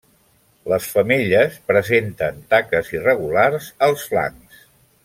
Les femelles presenten taques irregulars als flancs.